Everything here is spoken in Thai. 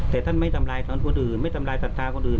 แต่ท่านไม่ทำร้ายคนอื่นไม่ทำลายศรัทธาคนอื่น